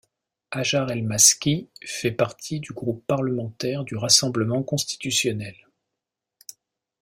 Hajar El Masqi fait partie du groupe parlementaire du Rassemblement constitutionnel.